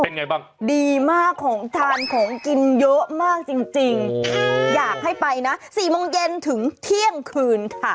ไงบ้างดีมากของทานของกินเยอะมากจริงอยากให้ไปนะ๔โมงเย็นถึงเที่ยงคืนค่ะ